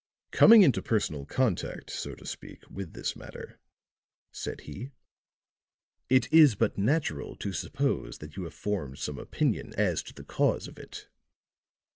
"Coming in personal contact, so to speak, with this matter," said he, "it is but natural to suppose that you have formed some opinion as to the cause of it."